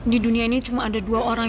di dunia ini cuma ada dua orang